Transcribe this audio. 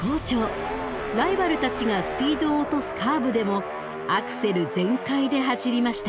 ライバルたちがスピードを落とすカーブでもアクセル全開で走りました。